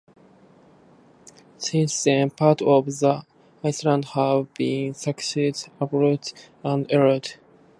Since then, parts of the island have been successively added and eroded.